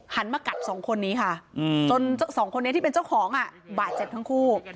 มากัดสองคนนี้ค่ะจนสองคนนี้ที่เป็นเจ้าของบาดเจ็บทั้งคู่